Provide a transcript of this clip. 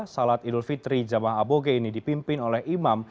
salat idul fitri jamaah aboge ini dipimpin oleh imam